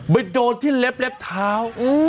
โดนที่เล็บเล็บเท้า